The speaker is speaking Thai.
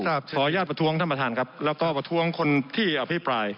ขออนุญาตประท้วงท่านประธานครับแล้วก็ประท้วงคนที่อภิปราย